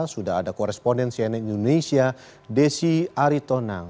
sudah ada korespondensi dari indonesia desi aritonang